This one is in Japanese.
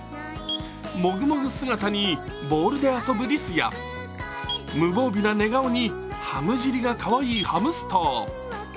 もぐもぐ姿にボールで遊ぶリスや無防備な寝顔にハム尻がかわいいハムスター。